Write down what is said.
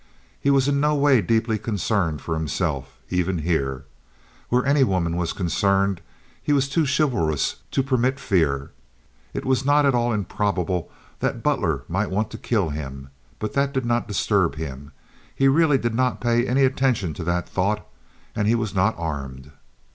He was in no way deeply concerned for himself, even here. Where any woman was concerned he was too chivalrous to permit fear. It was not at all improbable that Butler might want to kill him; but that did not disturb him. He really did not pay any attention to that thought, and he was not armed.